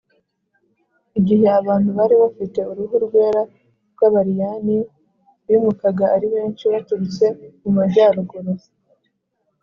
igihe abantu bari bafite uruhu rwera b’abariyani bimukaga ari benshi baturutse mu majyaruguru